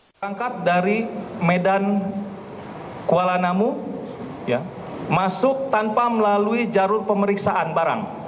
berangkat dari medan kuala namu masuk tanpa melalui jalur pemeriksaan barang